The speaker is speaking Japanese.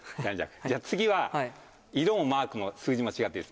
じゃあ次は色もマークも数字も違っていいです。